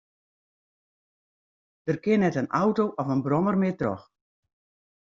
Der kin net in auto of in brommer mear troch.